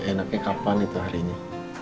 enaknya kapan itu harinya